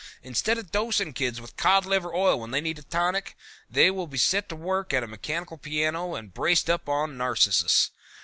Instead of dosing kids with cod liver oil when they need a tonic, they will be set to work at a mechanical piano and braced up on Narcissus.